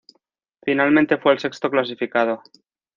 Finalmente fue el sexto clasificado.